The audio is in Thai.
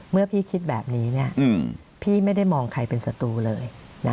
เมื่อพี่คิดแบบนี้พี่ไม่ได้มองใครเป็นศัตรูเลย